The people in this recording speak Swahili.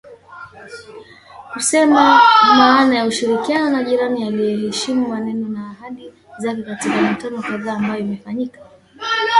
Kusema maana ya ushirikiano na jirani aiyeheshimu maneno na ahadi zake katika mikutano kadhaa ambayo imefanyika